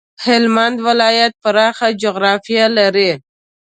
هلمند ولایت پراخه جغرافيه لري.